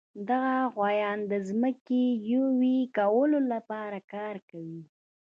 دغه غوایان د ځمکې یوې کولو لپاره کار کوي.